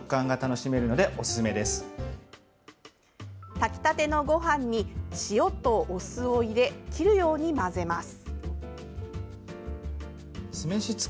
炊きたてのごはんに塩とお酢を入れ切るように混ぜます。